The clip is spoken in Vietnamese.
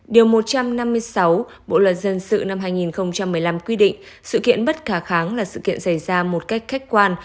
điều một trăm năm mươi sáu bộ luật dân sự năm hai nghìn một mươi năm quy định sự kiện bất khả kháng là sự kiện xảy ra một cách khách quan